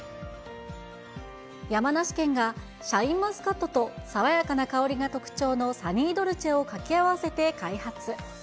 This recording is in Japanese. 山梨県がシャインマスカットと、爽やかな香りが特徴のサニードルチェを掛け合わせて開発。